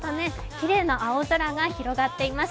きれいな青空が広がっています。